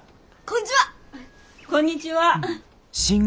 こんにちは。